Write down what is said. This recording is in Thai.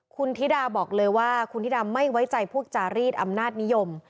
คุณธิดาบอกเลยว่าคุณธิดาไม่ไว้ใจพวกจารีดอำนาจนิยม